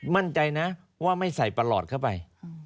มั่นใจนะว่าไม่ใส่ประหลอดเข้าไป